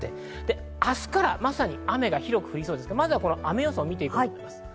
明日からまさに広く降りそうですから、雨予想を見ていきます。